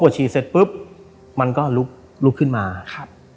ฉีดเสร็จปุ๊บมันก็ลุกลุกขึ้นมาครับ